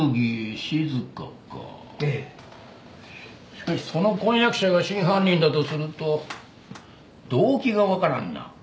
しかしその婚約者が真犯人だとすると動機がわからんな。